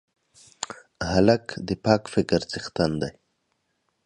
هلک د پاک فکر څښتن دی.